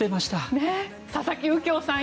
佐々木右京さん